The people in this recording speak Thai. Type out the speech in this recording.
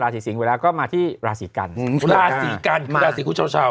ราศีสิงห์เวลาก็มาที่ราศีกันอืมราศีกันคือราศีภูเช้าเช้า